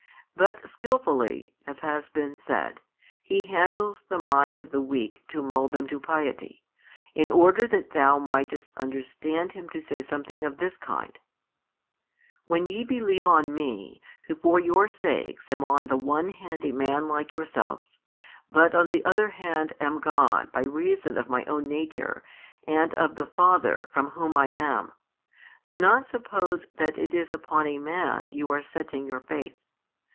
But skilfully (as has been said) He handles the mind of the weak to mould them to piety, in order that thou mightest understand Him to say something of this kind: "When ye believe on Me, Who for your sakes am on the one hand a man like yourselves, but on the other hand am God by reason of My own Nature and of the Father from Whom I am, do not suppose that it is upon a man you are setting your faith.